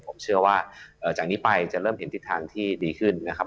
ผมเชื่อว่าจากนี้ไปจะเริ่มเห็นทิศทางที่ดีขึ้นนะครับ